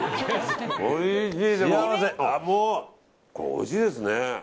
おいしいですね！